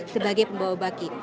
sebagai pembawa baki